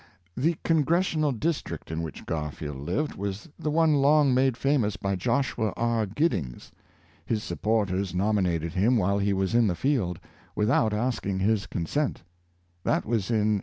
The Congressional district in which Garfield lived was the one long made famous by Joshua R. Giddings. His supporters nominated him while he was in the field, with out asking his consent. That was in 1862.